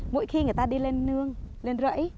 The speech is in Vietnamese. mỗi khi người ta đi lên rẫy